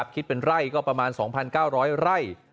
คิดเป็นไร่ก็ประมาณ๒๙๐๐ไร่